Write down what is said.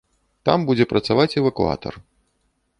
Там будзе працаваць эвакуатар.